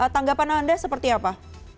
tanggapan anda seperti apa